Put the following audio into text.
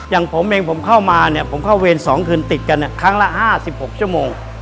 อย่างผมเองผมเข้ามาเนี่ยผมเข้าเวร๒คืนติดกันครั้งละ๕๖ชั่วโมง